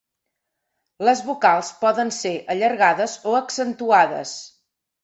Les vocals poden ser allargades o accentuades.